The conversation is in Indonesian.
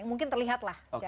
mungkin terlihat lah